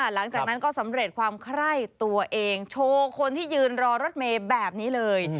หลังจากนั้นก็สำเร็จความไคร่ตัวเองโชว์คนที่ยืนรอรถเมย์แบบนี้เลย